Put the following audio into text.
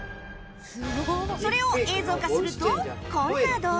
それを映像化するとこんな動画に